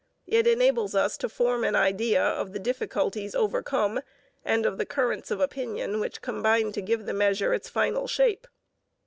It enables us to form an idea of the difficulties overcome and of the currents of opinion which combined to give the measure its final shape.